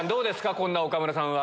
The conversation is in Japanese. こんな岡村さんは。